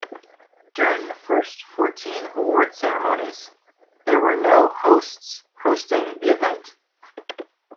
During the first fourteen award ceremonies, there were no hosts hosting the event.